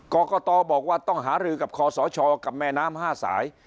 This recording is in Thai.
ก่อก่อต่อบอกว่าต้องหาลือกับคศกับแม่น้ำ๕สาย